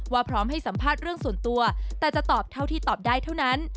พร้อมให้สัมภาษณ์เรื่องส่วนตัวแต่จะตอบเท่าที่ตอบได้เท่านั้น